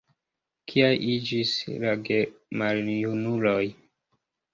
Kiaj iĝis la gemaljunuloj?